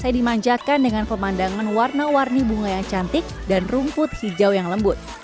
saya dimanjakan dengan pemandangan warna warni bunga yang cantik dan rumput hijau yang lembut